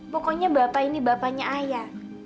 pokoknya bapak ini bapaknya ayah